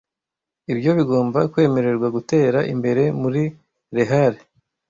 ibyo bigomba kwemererwa gutera imbere muri les halles